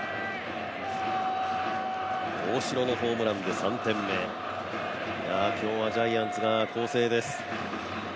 大城のホームランで３点目今日はジャイアンツが攻勢です。